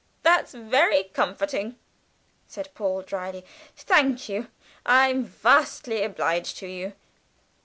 "That's very comforting," said Paul drily; "thank you. I'm vastly obliged to you."